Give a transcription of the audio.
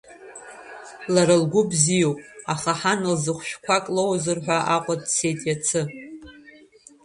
Лара лгәы бзиоуп, аха ҳан лзы хәшәқәак лоуазар ҳәа Аҟәа дцеит иацы.